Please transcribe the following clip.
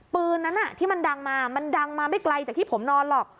ปืนนั้นที่มันดังมามันดังมาไม่ไกลจากที่ผมนอนหรอก